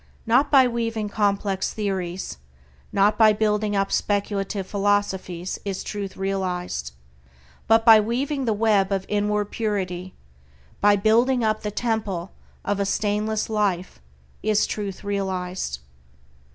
Not by weaving complex theories, not by building up speculative philosophies is Truth realized; but by weaving the web of inward purity, by building up the Temple of a stainless life is Truth realized.